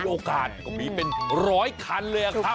ออกรอร่อยคนครับ